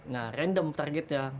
nah random targetnya